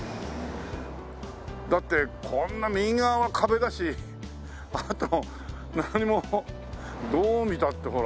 だってこんな右側は壁だしあと何もどう見たってほら。